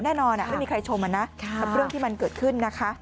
ไม่มีใครชมกับเรื่องที่มันเกิดขึ้นนะคะ